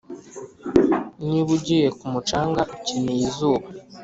niba ugiye ku mucanga, ukeneye izuba.